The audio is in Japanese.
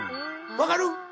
分かる？